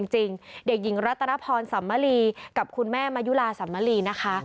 หญิงรตนพรสำมรีกับคุณแม่มายุลาสำมรีนะคะ